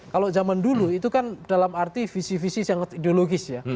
kalau zaman dulu itu kan dalam arti visi visi sangat ideologis ya